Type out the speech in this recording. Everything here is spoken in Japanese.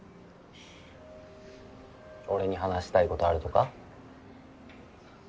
俺に話したいことあるとか？